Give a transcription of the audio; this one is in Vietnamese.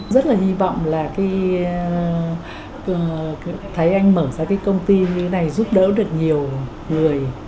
rất là hy vọng là thấy anh mở ra công ty như thế này giúp đỡ được nhiều người